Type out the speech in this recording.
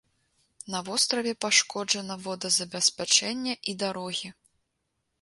На востраве пашкоджана водазабеспячэнне і дарогі.